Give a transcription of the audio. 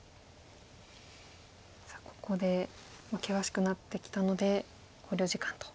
さあここで険しくなってきたので考慮時間と。